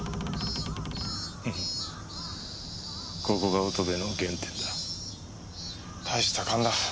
ここが乙部の原点だ。